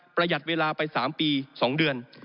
ประหยัดเวลาไป๓ปี๒เดือน